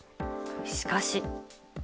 しかし。